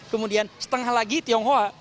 kemudian setengah lagi tionghoa